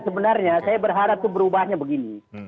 sebenarnya saya berharap itu berubahnya begini